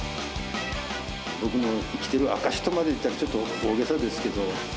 僕の生きてる証しとまで言ったらちょっと大げさですけれども。